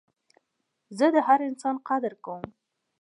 زه د هر انسان قدر کوم.